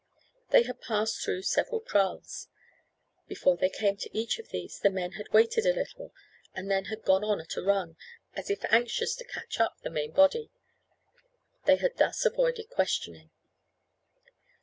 They had passed through several kraals. Before they came to each of these the men had waited a little, and had then gone on at a run, as if anxious to catch up the main body. They had thus avoided questioning.